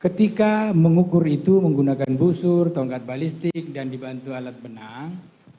ketika mengukur itu menggunakan busur tongkat balistik dan dibantu alat benang